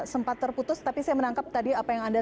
sempat terputus tapi saya menangkap tadi apa yang anda